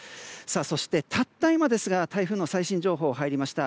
そして、たった今ですが台風の最新情報が入りました。